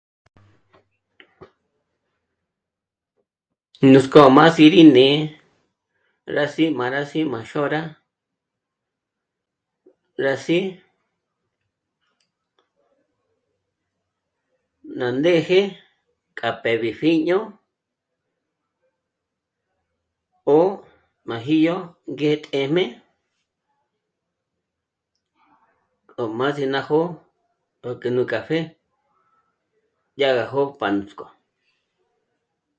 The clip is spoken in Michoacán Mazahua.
Nuts'k'ó m'á sîrí né'e rá sí'i m'á rá s'ì' m'á xôra rá s'í' ná ndéje k'a p'ébi pjíño ó majíyo ngé t'é'me k'o m'á s'í ná jó'o 'vnkü nú café dyága jó'o pan nuts'k'ó